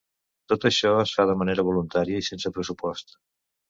Tot això es fa de manera voluntària i sense pressupost.